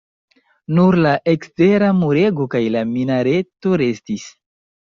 Nur la ekstera murego kaj la minareto restis.